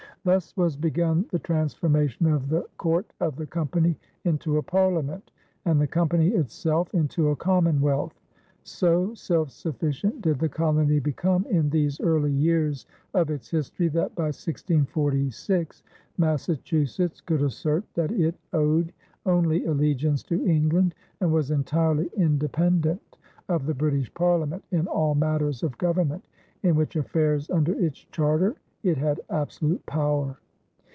Thus was begun the transformation of the court of the company into a parliament, and the company itself into a commonwealth. So self sufficient did the colony become in these early years of its history that by 1646 Massachusetts could assert that it owed only allegiance to England and was entirely independent of the British Parliament in all matters of government, in which affairs under its charter it had absolute power.